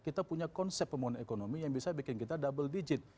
kita punya konsep pembangunan ekonomi yang bisa bikin kita double digit